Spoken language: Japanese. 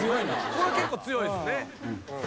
これ結構強いっすね。